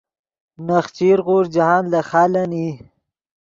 نخچیر غوݰ جاہند لے خالن ای